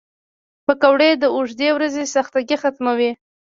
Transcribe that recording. پکورې د اوږدې ورځې خستګي ختموي